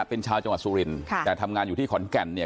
เป็นชาวจังหวัดสุรินค่ะแต่ทำงานอยู่ที่ขอนแก่นเนี่ย